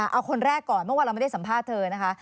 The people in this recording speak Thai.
เอาคนแรกก่อนเมื่อวานเราไม่ได้สัมภาษณ์เธอนะคะ